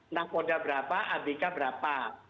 nakoda berapa abk berapa